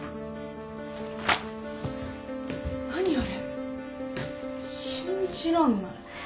何あれ信じらんない